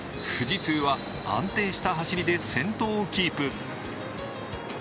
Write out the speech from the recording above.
富士通は安定した走りで先頭をキープ。